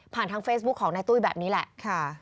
ผ่านทางเฟซบุ๊กของในตุ้ยแบบนี้แหละ